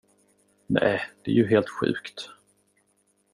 Nej, det är ju helt sjukt.